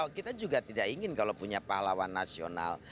kita juga tidak ingin kalau punya pahlawan nasional